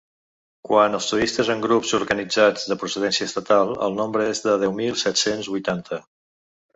Quant als turistes en grups organitzats de procedència estatal, el nombre és de deu mil set-cents vuitanta.